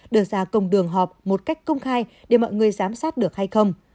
đưa ra công đường họp một cách công khai để mọi người giám sát được hay không